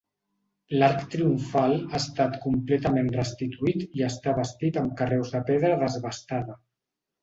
L'arc triomfal ha estat completament restituït i està bastit amb carreus de pedra desbastada.